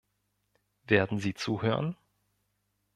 Werden sie zuhören?